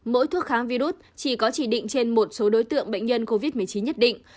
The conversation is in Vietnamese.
mỗi thuốc kháng virus chỉ có chỉ định trên một số đối tượng bệnh nhân covid một mươi chín nhất định